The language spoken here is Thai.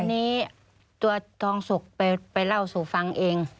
อันนี้ตัวทองสุกไปเล่าสู่ฟังเอง